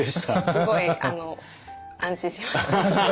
すごい安心しました。